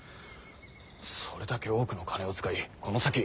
それだけ多くの金を使いこの先